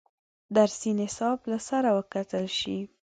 درسي نصاب یې له سره وکتل شي.